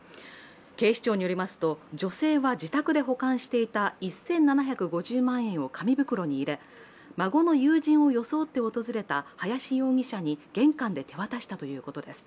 警視庁によりますと女性は、自宅で保管していた１７５０万円を紙袋に入れ孫の友人を装って現れた林容疑者に玄関で手渡したということです。